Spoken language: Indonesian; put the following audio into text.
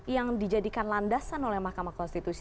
yang dijadikan landasan oleh mahkamah konstitusi